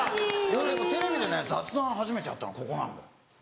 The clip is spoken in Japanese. テレビでね雑談初めてやったのここなのよ。